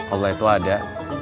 allah itu ada